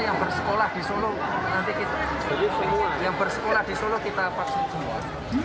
jangan sebesar tidak ada ntp pokoknya yang bersekolah di solo nanti kita vaksin semua